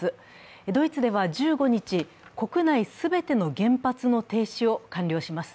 ドイツでは１５日、国内全ての原発の停止を完了します。